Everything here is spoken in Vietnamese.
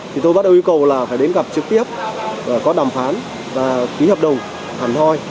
thì tôi bắt đầu yêu cầu là phải đến gặp trực tiếp có đàm phán và ký hợp đồng hẳn hoi